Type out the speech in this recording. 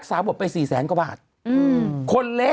คุณหนุ่มกัญชัยได้เล่าใหญ่ใจความไปสักส่วนใหญ่แล้ว